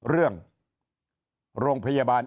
เรื่องโรงพยาบาล